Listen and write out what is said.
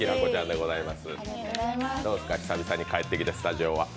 どうですか、久々に帰ってきてスタジオは？